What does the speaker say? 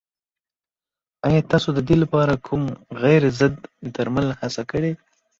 ایا تاسو د دې لپاره کوم غیر ضد درمل هڅه کړې؟